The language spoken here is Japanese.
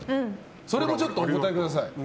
それもちょっとお答えください。